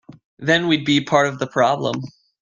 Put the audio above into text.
Then we’d be part of the problem.